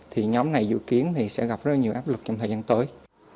thì nhóm này dự kiến thì sẽ gặp rất nhiều áp lực trong thời gian tới